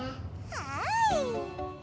はい！